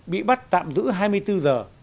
bị bắt tạm giữ hai mươi bốn h